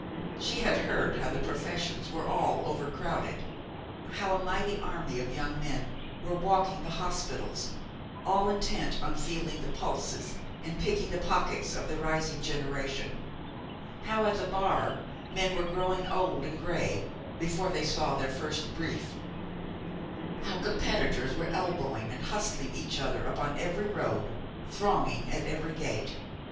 She had heard how the professions were all over crowded: how a mighty army of young men were walking the hospitals, all intent on feeling the pulses and picking the pockets of the rising generation: how at the Bar men were growing old and grey before they saw their first brief: how competitors were elbowing and hustling each other upon every road, thronging at every gate.